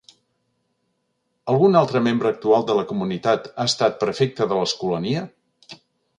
Algun altre membre actual de la comunitat ha estat prefecte de l'Escolania?